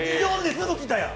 すぐ来たやん。